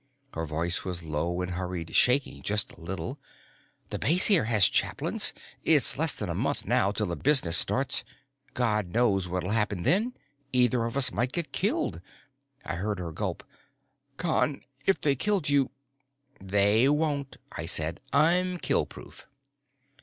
Her voice was low and hurried, shaking just a little. "The base here has chaplains. It's less than a month now till the business starts. God knows what'll happen then. Either of us might be killed." I heard her gulp. "Con, if they killed you " "They won't," I said. "I'm kill proof."